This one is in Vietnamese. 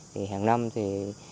thì hàng năm thì